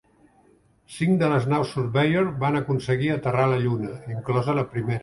Cinc de les naus Surveyor van aconseguir aterrar a la lluna, inclosa la primera.